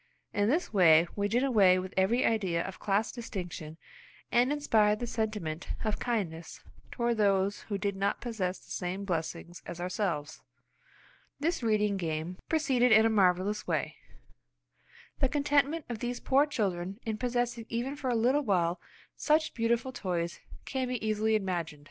In this way we did away with every idea of class distinction, and inspired the sentiment of kindness toward those who did not possess the same blessings as ourselves. This reading game proceeded in a marvellous way. The contentment of these poor children in possessing even for a little while such beautiful toys can be easily imagined.